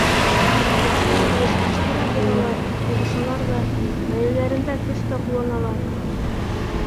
Эскән килеш эште лә боҙалар, һуғышалар ҙа, ғаиләләрендә көс тә ҡулланалар.